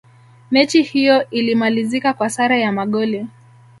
mechi hiyo ilimalizika kwa sare ya magoli